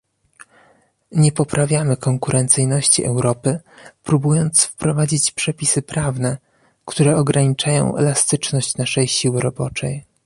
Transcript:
Nie poprawiamy konkurencyjności Europy próbując wprowadzić przepisy prawne, które ograniczają elastyczność naszej siły roboczej